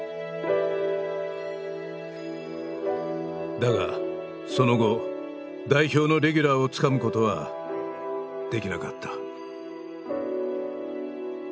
だがその後代表のレギュラーをつかむことはできなかった。